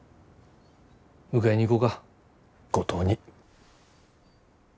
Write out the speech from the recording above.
迎えに行こうか五島に。